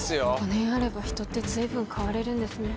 ５年あれば人って随分変われるんですね。